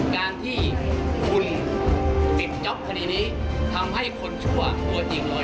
การที่คุณติดจ๊อปคดีนี้ทำให้คนชั่วตัวจริงเลย